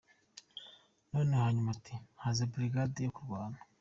None hanyuma ati haze brigade yo kurwana.